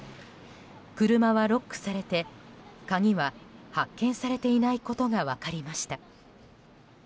車はロックされて鍵は発見されていないことが分かりました。